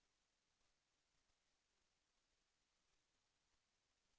แสวได้ไงของเราก็เชียนนักอยู่ค่ะเป็นผู้ร่วมงานที่ดีมาก